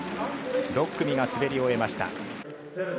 ６組が滑り終えました。